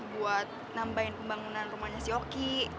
buat nambahin pembangunan rumahnya si oki